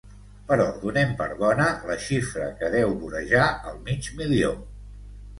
Però donem per bona la xifra que deu vorejar el mig milió.